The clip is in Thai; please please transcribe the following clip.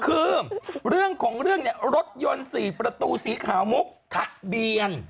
คือเรื่องของเรื่องเนี่ยรถยนต์๔ประตูสีขาวมุกถักเบียน